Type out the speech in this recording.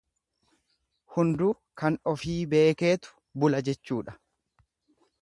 Hunduu kan ofii beekeetu bula jechuudha.